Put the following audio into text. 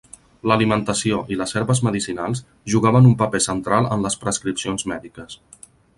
L'alimentació i les herbes medicinals jugaven un paper central en les prescripcions mèdiques.